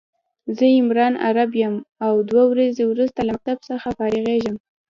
زه عمران عرب يم او دوه ورځي وروسته له مکتب څخه فارغيږم